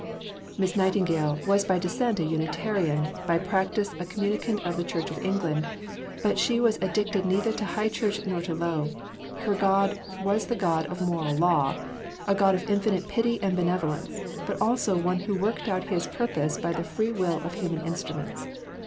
Miss Nightingale was by descent a Unitarian, by practice a communicant of the Church of England; but she was addicted neither to High Church nor to Low. Her God was the God of Moral Law, a God of infinite pity and benevolence, but also One who worked out His purpose by the free will of human instruments.